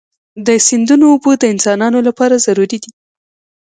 د سیندونو اوبه د انسانانو لپاره ضروري دي.